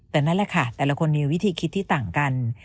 แต่นั่นแหละค่ะแต่ละคนมีวิธีคิดที่ต่างกัน